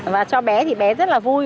và cho bé thì bé rất là vui